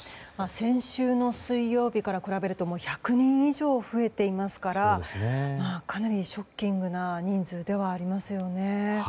先週の水曜日から比べると１００人以上増えていますからかなりショッキングな人数ではありますよね。